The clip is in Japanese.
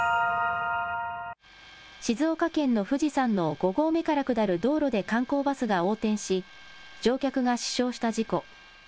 静岡県の富士山の５合目から下る道路で観光バスが横転し、乗客が死傷した事故。